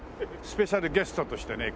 スペシャルゲストとしてね